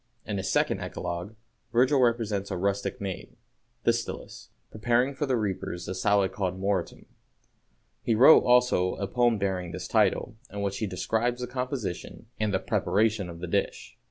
In his second Eclogue, Virgil represents a rustic maid, Thestylis, preparing for the reapers a salad called moretum. He wrote, also, a poem bearing this title, in which he describes the composition and preparation of the dish.